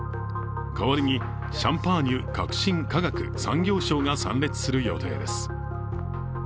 代わりに、シャンパーニュ革新・科学・産業相が参列する予定です。